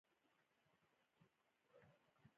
دوی به د اردن خواته روان شول.